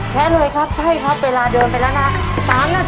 แค่เลยครับใช่ครับเวลาเดินไปแล้วนะ๓นาที๒๕กระทงนะครับ